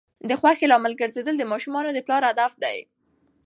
د خوښۍ لامل ګرځیدل د ماشومانو د پلار هدف دی.